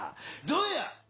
どうや。